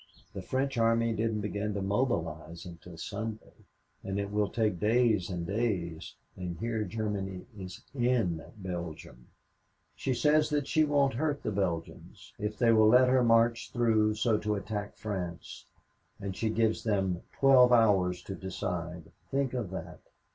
The French army didn't begin to mobilize until Sunday, and it will take days and days, and here Germany is in Belgium. She says that she won't hurt the Belgians if they will let her march through so as to attack France and she gives them twelve hours to decide think of that.